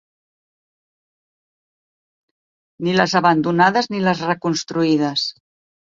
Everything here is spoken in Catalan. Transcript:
Ni les abandonades ni les reconstruïdes.